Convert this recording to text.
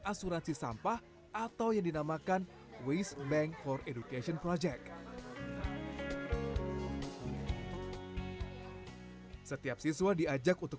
asuransi sampah atau yang dinamakan waste bank for education project setiap siswa diajak untuk